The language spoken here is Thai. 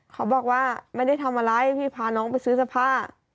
เขาบอกว่าไม่ได้ทำอะไรพี่พาน้องไปซื้อเสื้อผ้า